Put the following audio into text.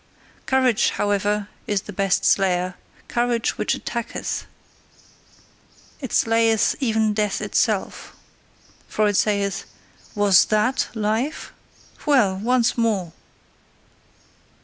Courage, however, is the best slayer, courage which attacketh: it slayeth even death itself; for it saith: "WAS THAT life? Well! Once more!"